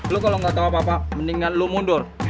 lo kalau ga tau apa apa mendingan lo mundur